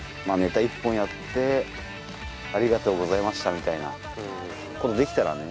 みたいなできたらね。